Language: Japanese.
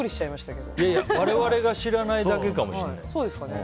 我々が知らないだけかもしれないです。